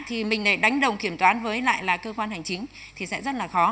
thì mình lại đánh đồng kiểm toán với lại là cơ quan hành chính thì sẽ rất là khó